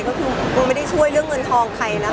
ก็คือกูไม่ได้ช่วยเรื่องเงินทองใครนะคะ